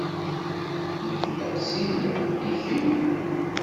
Nekk ddeqs-inu, i kemm?